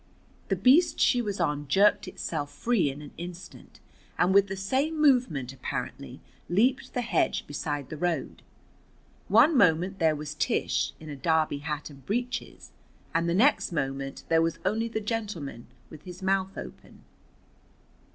The beast she was on jerked itself free in an instant, and with the same movement, apparently, leaped the hedge beside the road. One moment there was Tish, in a derby hat and breeches, and the next moment there was only the gentleman, with his mouth open.